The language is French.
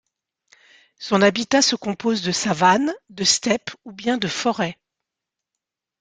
Son habitat se compose de savanes, de steppes ou bien de forêts.